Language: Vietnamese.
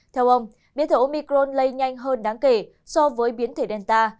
theo ông biến thở omicron lây nhanh hơn đáng kể so với biến thể delta